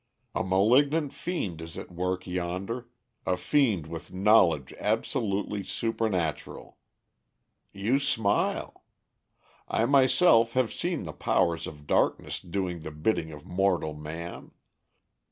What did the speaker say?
"A malignant fiend is at work yonder a fiend with knowledge absolutely supernatural. You smile! I myself have seen the powers of darkness doing the bidding of mortal man.